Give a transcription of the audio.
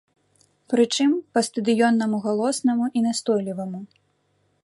Пры чым, па-стадыённаму галоснаму і настойліваму.